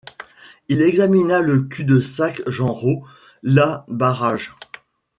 Il examina le cul-de-sac Genrot ; là, barrage.